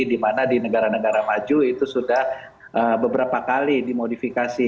di mana di negara negara maju itu sudah beberapa kali dimodifikasi